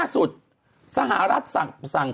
สุดสหรัฐสั่ง